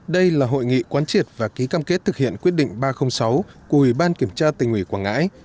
đây là hội nghị quán triệt và ký cam kết thực hiện quyết định ba trăm linh sáu của ủy ban kiểm tra tỉnh ủy quảng ngãi